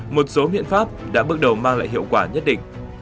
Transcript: một số biện pháp đã bước đầu mang lại hiệu quả nhất định